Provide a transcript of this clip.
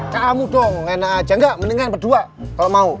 kamu dong enak aja gak mendingan berdua kalo mau